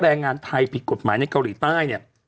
แรงงานไทยผิดกฎหมายในเกาหลีใต้เนี่ย